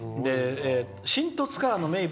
「新十津川の名物